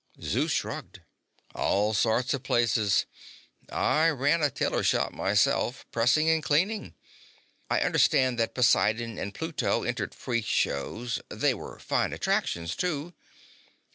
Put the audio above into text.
Zeus shrugged. "All sorts of places. I ran a tailor shop myself, pressing and cleaning. I understand that Poseidon and Pluto entered freak shows they were fine attractions, too.